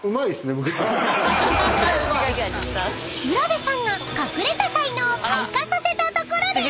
［卜部さんが隠れた才能を開花させたところで］